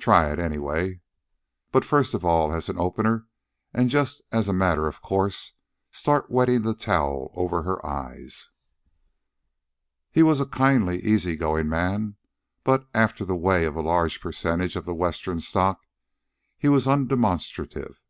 Try it, anyway. But first of all, as an opener and just as a matter of course, start wetting the towel over her eyes." He was a kindly, easy going man; but, after the way of a large percentage of the Western stock, he was undemonstrative.